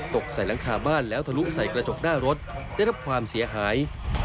ตกใส่หลังคาบ้านแล้วทะลุใส่กระจกหน้ารถได้รับความเสียหาย